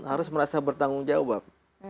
harus merasa bertanggung jawab